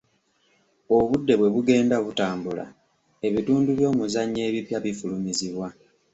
Obudde bwe bugenda butambula ebitundu by'omuzannyo ebipya bifulumizibwa.